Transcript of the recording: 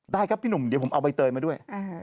ได้ครับพี่หนุ่มเดี๋ยวผมเอาใบเตยมาด้วย